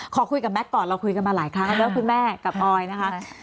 ขอคุยกับแมทก่อนเราคุยกันมาหลายครั้งแล้วคุณแม่กับออยนะคะ